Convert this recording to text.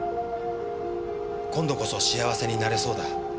「今度こそ幸せになれそうだ」。